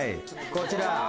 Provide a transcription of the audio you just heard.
こちら。